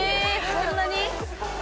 そんなに？